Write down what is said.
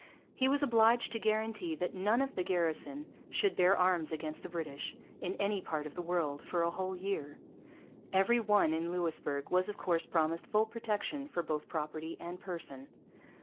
He was obliged to guarantee that none of the garrison should bear arms against the British, in any part of the world, for a whole year. Every one in Louisbourg was of course promised full protection for both property and person.